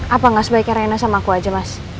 apa nggak sebaiknya rena sama aku aja mas